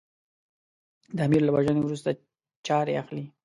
د امیر له وژنې وروسته چارې اخلي.